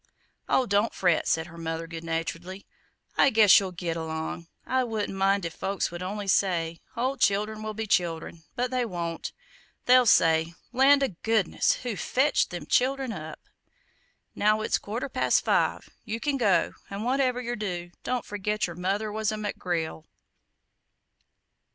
"Oh, don't fret," said her mother, good naturedly, "I guess you'll git along. I wouldn't mind if folks would only say, 'Oh, childern will be childern;' but they won't. They'll say, 'Land o' Goodness, who fetched them childern up?' Now it's quarter past five; you can go, an' whatever yer do, don't forget your mother was a McGrill!"